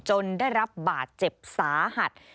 ได้รับบาดเจ็บสาหัส